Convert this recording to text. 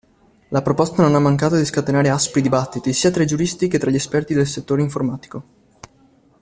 La proposta non ha mancato di scatenare aspri dibattiti sia tra i giuristi che tra gli esperti del settore informatico.